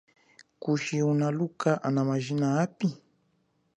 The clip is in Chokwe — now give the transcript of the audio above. Kuchi unaluka ana majina api?